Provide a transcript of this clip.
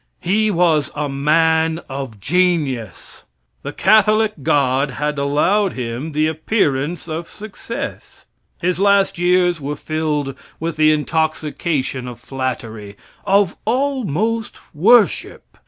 He was a man of genius. The Catholic God had allowed him the appearance of success. His last years were filled with the intoxication of flattery of almost worship.